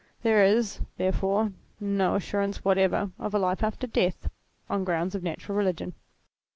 There is, therefore, no assurance whatever of a life after death, on grounds of natural religion.